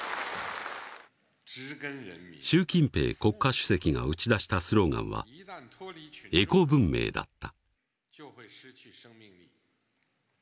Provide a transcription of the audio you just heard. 習近平国家主席が打ち出したスローガンはエコ文明だった。